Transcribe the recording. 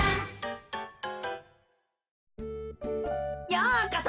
ようこそ。